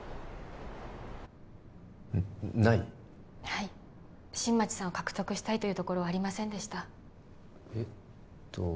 はい新町さんを獲得したいというところはありませんでしたえっと